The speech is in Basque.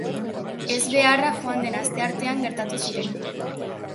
Ezbeharra joan den asteartean gertatu ziren.